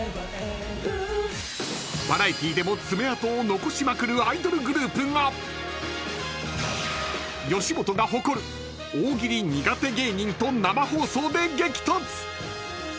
［バラエティーでも爪痕を残しまくるアイドルグループが吉本が誇る大喜利苦手芸人と生放送で激突］